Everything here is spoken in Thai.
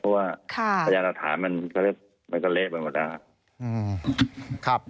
เพราะว่าประยะรัฐานมันก็เละไปหมดแล้วครับ